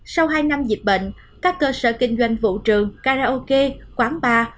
sau hai năm dịch bệnh các cơ sở kinh doanh vụ trường karaoke quán bar